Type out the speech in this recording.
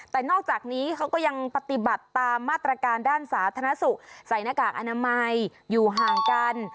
แต่นอกจากนี้เขาก็ยังปฏิบัติตามมาตรการด้านสาธารณสุขใส่หน้ากากอนามัยอยู่ห่างกัน